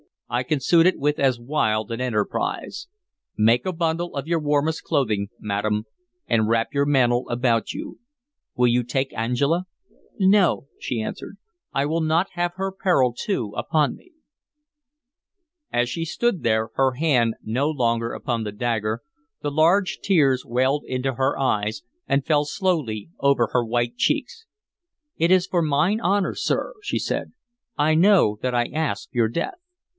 "I can suit it with as wild an enterprise. Make a bundle of your warmest clothing, madam, and wrap your mantle about you. Will you take Angela?" "No," she answered. "I will not have her peril too upon me." As she stood there, her hand no longer upon the dagger, the large tears welled into her eyes and fell slowly over her white cheeks. "It is for mine honor, sir," she said. "I know that I ask your death."